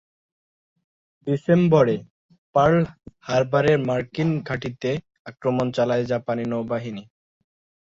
ডিসেম্বরে পার্ল হারবারের মার্কিন ঘাঁটিতে আক্রমণ চালায় জাপানি নৌবাহিনী।